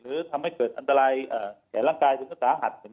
หรือทำให้เกิดอันตรายใกล้ร่างกายหรือจ๋าหัด